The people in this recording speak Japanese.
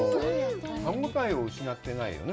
歯応えを失ってないよね。